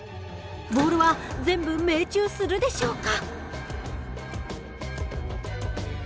ボールは全部命中するでしょうか？